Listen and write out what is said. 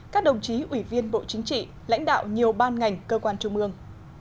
các đồng chí ủy viên bộ chính trị lãnh đạo nhiều ban ngành cơ quan trung ương